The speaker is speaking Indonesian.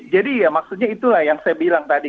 ya maksudnya itulah yang saya bilang tadi